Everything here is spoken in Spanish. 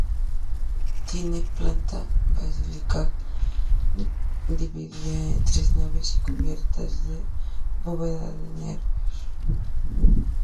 Tiene planta basilical, dividida en tres naves y cubierta de bóveda de nervios.